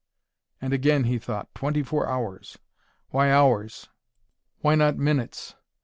And again he thought: "Twenty four hours!... Why hours? Why not minutes?...